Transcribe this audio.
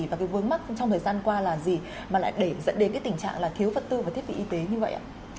và cái vướng mắt trong thời gian qua là gì mà lại để dẫn đến cái tình trạng là thiếu vật tư và thiết bị y tế như vậy ạ